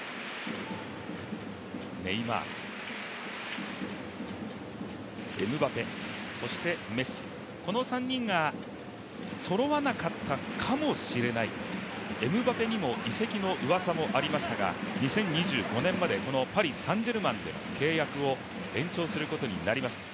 ネイマール、エムバペ、そしてメッシ、この３人がそろわなかったかもしれない、エムバペにも移籍のうわさもありましたが、２０２５年までパリ・サン＝ジェルマンでの契約を延長することになりました。